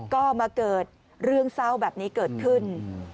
ก็มาเกิดเรื่องเศร้าแบบนี้เกิดขึ้น